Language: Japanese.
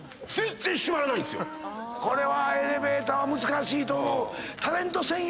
これはエレベーターは難しいと思う。